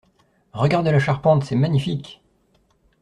Regardes la charpente, c'est magnifique!